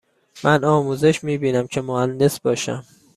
من آموزش می بینم که مهندس باشم.